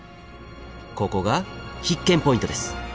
ここが必見ポイントです。